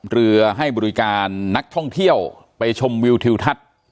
เรือให้บริการนักท่องเที่ยวไปชมวิวทิวทัศน์